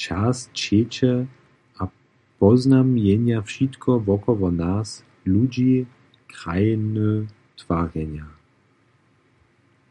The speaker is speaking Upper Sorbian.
Čas ćeče a poznamjenja wšitko wokoło nas, ludźi, krajiny, twarjenja …